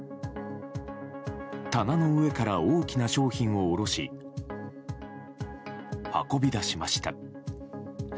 棚の上から大きな商品を下ろし運び出しました。